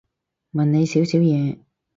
問你少少嘢